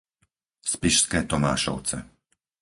Spišské Tomášovce